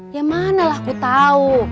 ya manalah aku tahu